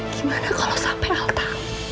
gimana kalau sampai alta